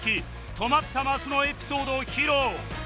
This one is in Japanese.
止まったマスのエピソードを披露